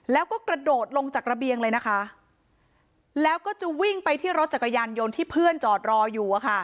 แล้วก็กระโดดลงจากระเบียงเลยนะคะแล้วก็จะวิ่งไปที่รถจักรยานยนต์ที่เพื่อนจอดรออยู่อะค่ะ